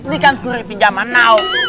ini kan seluruh pinjaman nau